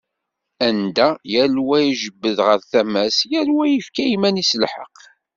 Anda yal wa ijebbed ɣer tama-s, yal wa yefka i yiman-is lḥeqq.